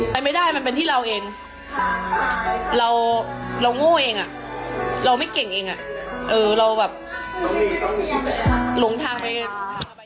ไปไม่ได้มันเป็นที่เราเองเราโง่เองอ่ะเราไม่เก่งเองเราแบบหลงทางไปเอง